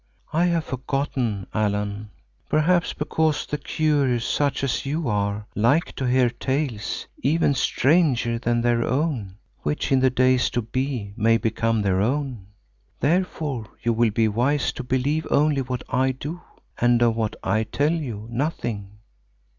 "I have forgotten, Allan. Perhaps because the curious, such as you are, like to hear tales even stranger than their own, which in the days to be may become their own. Therefore you will be wise to believe only what I do, and of what I tell you, nothing."